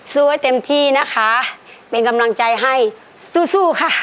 ให้เต็มที่นะคะเป็นกำลังใจให้สู้สู้ค่ะ